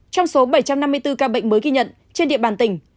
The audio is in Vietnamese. trong số bảy trăm năm mươi bốn ca bệnh mới ghi nhận trên địa bàn tỉnh